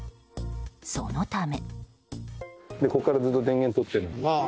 そのため。